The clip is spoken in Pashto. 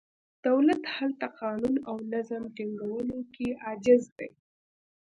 دولت هلته قانون او نظم ټینګولو کې عاجز دی.